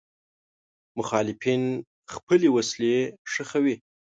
مخالفین خپل وسلې ښخوي.